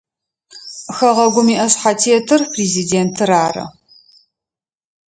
Хэгъэгум иӏэшъхьэтетыр президентыр ары.